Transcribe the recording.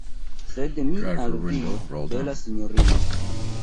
Sed mi al vi, bela sinjorino.